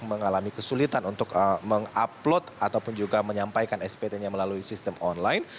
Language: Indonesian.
mengalami kesulitan untuk mengupload ataupun juga menyampaikan spt nya melalui sistem online